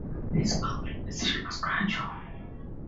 His full conversion was gradual.